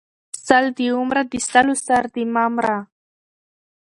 سل دې ومره د سلو سر دې مه مره!